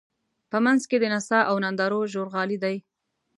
په منځ کې د نڅا او نندارو ژورغالی دی.